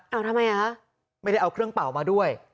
เอาทำไมอ่ะคะไม่ได้เอาเครื่องเป่ามาด้วย